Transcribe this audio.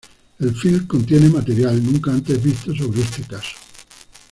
El film contiene material nunca antes visto sobre este caso.